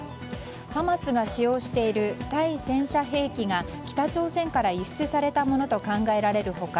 ハマスが使用している対戦車兵器が北朝鮮から輸出されたものと考えられる他